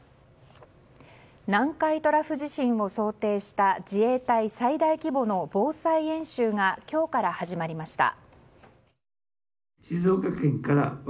南海トラフ地震を想定した自衛隊最大規模の防災演習が今日から始まりました。